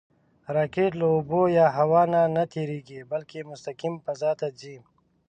راکټ له اوبو یا هوا نه نهتېرېږي، بلکې مستقیم فضا ته ځي